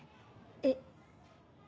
えっ？